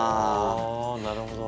なるほど。